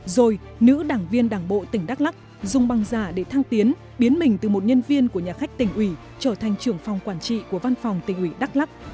rồi nữ đảng viên đảng bộ tỉnh đắk lắc dùng băng giả để thăng tiến biến mình từ một nhân viên của nhà khách tỉnh ủy trở thành trưởng phòng quản trị của văn phòng tỉnh ủy đắk lắc